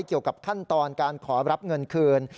เกี่ยวกับขั้นตอนการขอรับเงินคืน